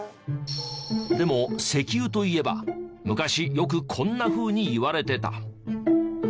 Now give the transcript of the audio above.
でも石油といえば昔よくこんなふうに言われてた。